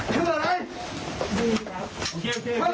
ชื่ออะไร